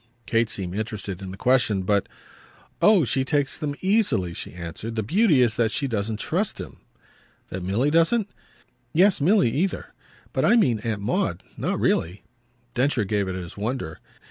Kate seemed interested in the question, but "Oh he takes them easily," she answered. "The beauty is that she doesn't trust him." "That Milly doesn't?" "Yes Milly either. But I mean Aunt Maud. Not really." Densher gave it his wonder.